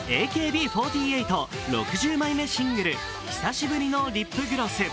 ＡＫＢ４８、６０枚目シングル「久しぶりのリップグロス」。